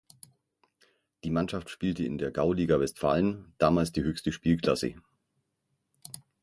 Die Mannschaft spielte in der Gauliga Westfalen, damals die höchste Spielklasse.